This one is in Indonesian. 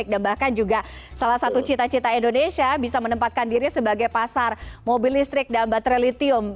dan bahkan juga salah satu cita cita indonesia bisa menempatkan diri sebagai pasar mobil listrik dan baterai litium